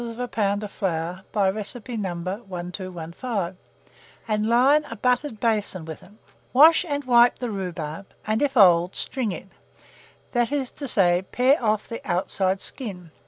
of flour, by recipe No. 1215, and line a buttered basin with it. Wash and wipe the rhubarb, and, if old, string it that is to say, pare off the outside skin.